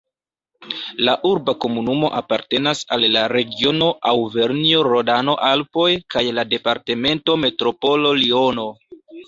La urba komunumo apartenas al la regiono Aŭvernjo-Rodano-Alpoj kaj la departemento Metropolo Liono.